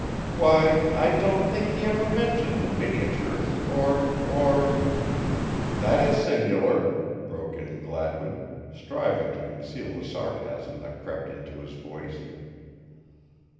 "Why, I don't think he ever mentioned the miniatures, or, or" "That is singular," broke in Gladwin, striving to conceal the sarcasm that crept into his voice.